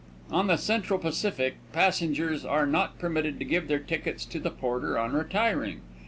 On the Central Pacific passengers are not permitted to give their tickets to the porter on retiring.